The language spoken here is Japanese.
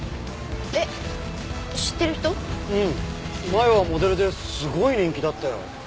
前はモデルですごい人気だったよ。